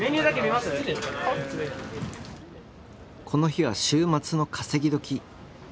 この日は週末の稼ぎ時。